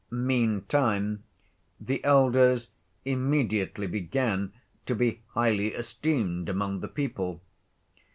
Meantime the elders immediately began to be highly esteemed among the people.